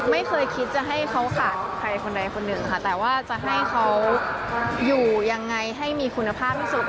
ไม่เคยคิดจะให้เขาขาดใครคนใดคนหนึ่งค่ะแต่ว่าจะให้เขาอยู่ยังไงให้มีคุณภาพที่สุด